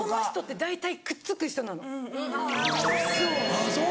あぁそう。